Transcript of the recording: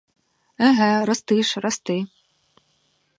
Еге, рости ж, рости.